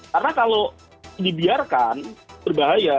karena kalau dibiarkan berbahaya